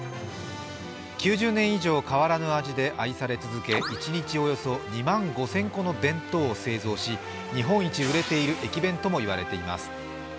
９０年以上変わらぬ味で愛され続け、一日およそ２万５０００個の弁当を製造し、日本一売れている駅弁ともいわれています。